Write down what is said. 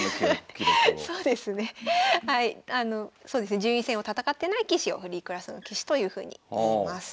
順位戦を戦ってない棋士をフリークラスの棋士というふうにいいます。